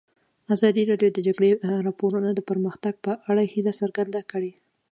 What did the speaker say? ازادي راډیو د د جګړې راپورونه د پرمختګ په اړه هیله څرګنده کړې.